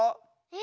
⁉え